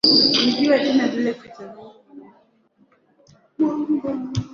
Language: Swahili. Mi nahaja na wewe Yesu